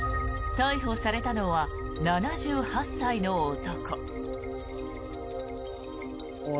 逮捕されたのは７８歳の男。